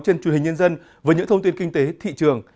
trên truyền hình nhân dân với những thông tin kinh tế thị trường